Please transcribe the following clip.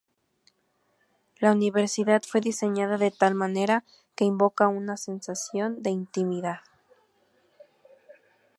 La universidad fue diseñada de tal manera que invoca una sensación de intimidad.